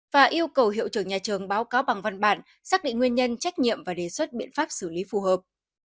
và yêu cầu hiệu trưởng nhà trường báo cáo bằng văn bản xác định nguyên nhân trách nhiệm và đề xuất biện pháp xử lý phù hợp